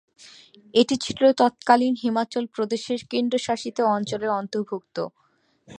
এটি ছিল তৎকালীন হিমাচল প্রদেশ কেন্দ্রশাসিত অঞ্চলের অন্তর্ভুক্ত।